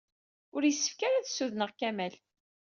Ur yessefk ara ad ssudneɣ Kamal.